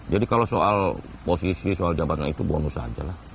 jadi kalau soal posisi soal jabatnya itu bonus aja lah